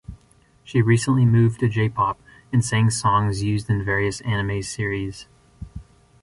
She recently moved to J-Pop and sang songs used in various anime Series.